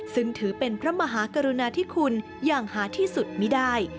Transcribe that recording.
ซึ่งถือเป็นพระมหากรุณาธิคุณอย่างหาที่สุดไม่ได้